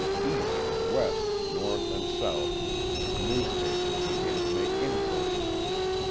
East, West, North and South newspapers began to make inquiries.